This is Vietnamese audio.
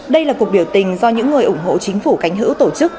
đây là cuộc biểu tình do những người ủng hộ chính phủ cánh hữu tổ chức